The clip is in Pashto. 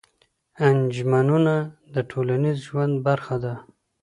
انجمنونه د ټولنيز ژوند برخه ده.